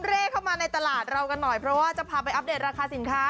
เลขเข้ามาในตลาดเรากันหน่อยเพราะว่าจะพาไปอัปเดตราคาสินค้า